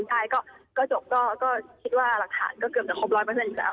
ใช่ก็จบก็คิดว่าหลักฐานก็เกือบจะครบร้อยเปอร์เซ็นต์อีกแล้ว